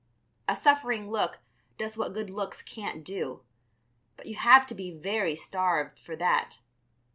A suffering look does what good looks can't do. But you have to be very starved for that.